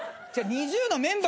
ＮｉｚｉＵのメンバー。